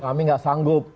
kami gak sanggup